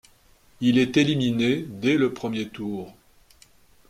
Il est éliminé dès le premier tour.